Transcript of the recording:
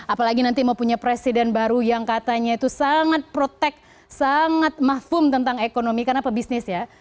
apalagi nanti mau punya presiden baru yang katanya itu sangat protect sangat mahfum tentang ekonomi karena pebisnis ya